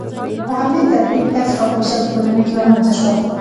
په همدې ترتیب کسب او پیشه په ټولنه کې رامنځته شوه.